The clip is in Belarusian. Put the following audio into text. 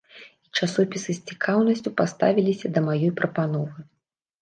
І часопісы з цікаўнасцю паставіліся да маёй прапановы.